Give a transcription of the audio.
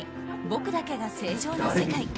「僕だけが正常な世界」。